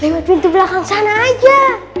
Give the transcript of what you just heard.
lewat pintu belakang sana aja